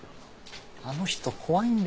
あの人怖いんで。